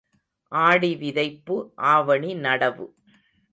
ஆடி விதைப்பு, ஆவணி நடவு.